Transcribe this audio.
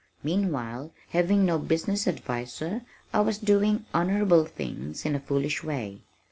Meanwhile, having no business adviser, I was doing honorable things in a foolish way.